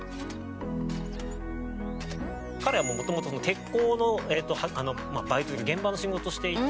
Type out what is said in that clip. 彼はもともと鉄工のバイトというか現場の仕事していて。